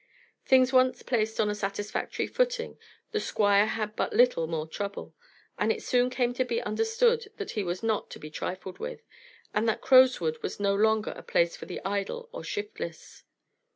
Things once placed on a satisfactory footing, the Squire had but little more trouble, and it soon came to be understood that he was not to be trifled with, and that Crowswood was no longer a place for the idle or shiftless.